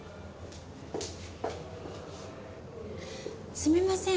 すみません。